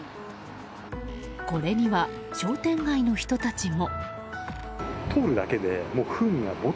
これには商店街の人たちも。